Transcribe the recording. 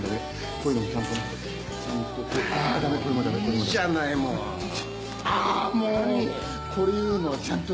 こういうのはちゃんと。